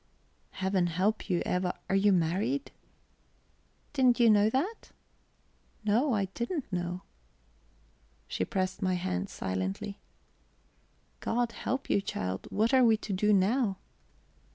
"Heaven help you, Eva, are you married?" "Didn't you know that?" "No, I didn't know." She pressed my hand silently. "God help you, child, what are we to do now?"